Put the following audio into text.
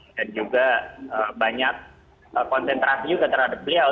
dan juga banyak konsentrasi juga terhadap beliau